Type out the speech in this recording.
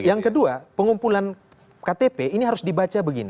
yang kedua pengumpulan ktp ini harus dibaca begini